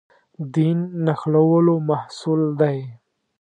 دین نښلولو محصول دی.